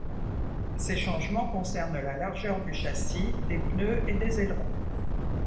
Ces changements concernent la largeur du châssis, des pneus et des ailerons.